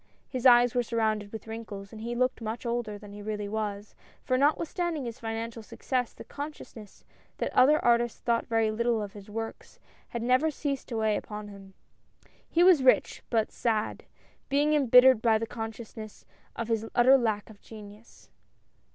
His eyes were surrounded with wrinkles, and he looked much older than he really was, for notwithstanding his financial success, the consciousness that other artists thought very little of his works, had never ceased to weigh upon him. He was rich, but sad, being embittered by the consciousness of his utter lack of genius.